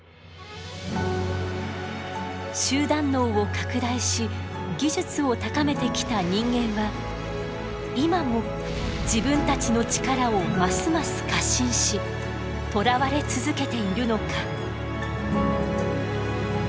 集団脳を拡大し技術を高めてきた人間は今も自分たちの力をますます過信しとらわれ続けているのか。